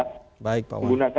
dengan kemampuan yang ada